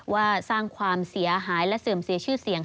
ว่าสร้างความเสียหายและเสื่อมเสียชื่อเสียง